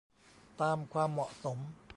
ตามความเหมาะสม